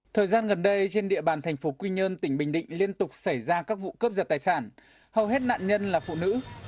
thời gian gần đây trên địa bàn thành phố quy nhơn tỉnh bình định liên tục xảy ra các vụ cướp giật tài sản hầu hết nạn nhân là phụ nữ